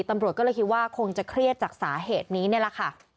ตำรวจก็เลยคิดว่าคงจะเครียดจากสาเหตุนี้นี่แหละค่ะ